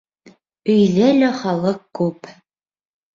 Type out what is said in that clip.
Өйҙә лә халыҡ күп.